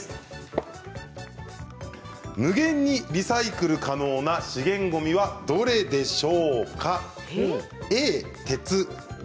無限にリサイクル可能な資源ごみはどれでしょうか？